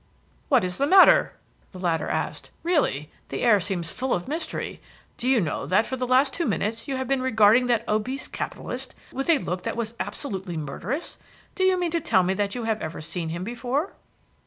"What is the matter?" the latter asked. "Really, the air seems full of mystery. Do you know that for the last two minutes you have been regarding that obese capitalist with a look that was absolutely murderous? Do you mean to tell me that you have ever seen him before?"